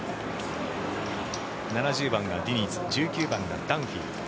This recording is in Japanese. ７０番がディニズ１９番がダンフィー。